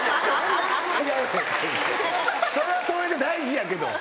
それはそれで大事やけど。